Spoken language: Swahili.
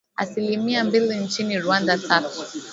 Asilimia mbili nchini Rwanda, tatu.